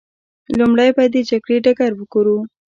لومړی به د جګړې ډګر وګورو.